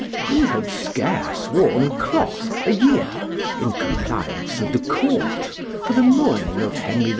We had scarce worn cloth a year, in compliance with the court, for the mourning of Henry II.